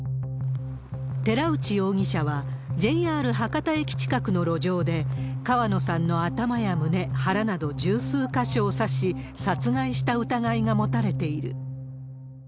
寺内容疑者は、ＪＲ博多駅近くの路上で、川野さんの頭や胸、腹など十数か所を刺し、殺害した疑いが持たれている。